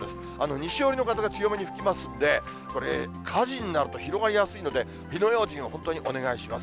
西寄りの風が強めに吹きますんで、これ、火事になると広がりやすいので、火の用心を本当にお願いします。